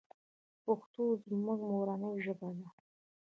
پښتو زموږ مورنۍ ژبه ده.